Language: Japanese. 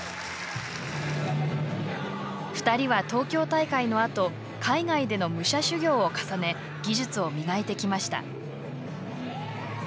２人は東京大会のあと海外での武者修行を重ね技術を磨いてきました。